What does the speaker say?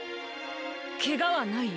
ケガはない？